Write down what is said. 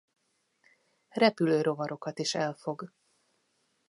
Repülő rovarokat is elfog.